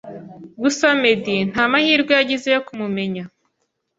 gusa Meddy ntamahwirwe yagize yo kumumenya